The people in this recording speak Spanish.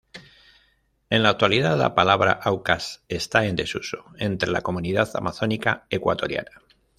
En la actualidad la palabra Aucas esta en desuso entre la comunidad amazónica ecuatoriana.